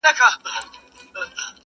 اوس به څوك تسليموي اصفهانونه،